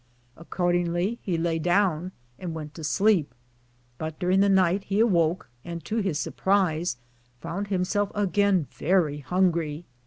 Accordingly, he laid down and went to sleep ; but during the night he awoke, and, to his sur prise, found himself again very hungry.